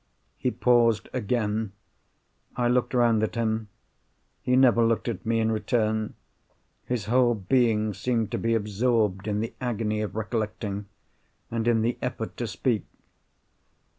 He paused again. I looked round at him. He never looked at me in return. His whole being seemed to be absorbed in the agony of recollecting, and in the effort to speak.